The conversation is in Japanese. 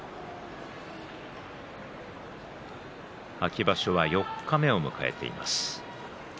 秋場所は四日目を迎えています。